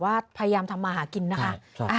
พยายามทำมาหากินนะคะ